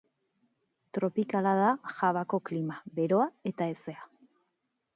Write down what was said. Tropikala da Javako klima, beroa eta hezea.